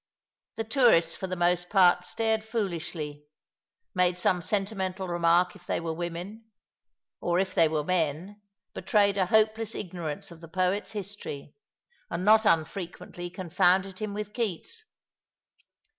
The tourists for the most part stared foolishly, made some sentimental remark if they were women, or if they were men, betrayed a hopeless ignorance of the poet's history, and not unfrequently con founded him with Keats.